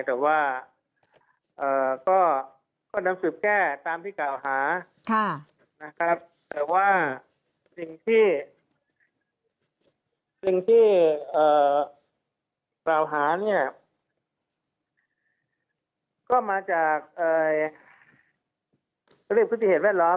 แต่ว่าก็นำสืบแก้ตามที่เก่าหาแต่ว่าสิ่งที่เก่าหาก็มาจากประสิทธิ์พฤติเหตุแวดล้อม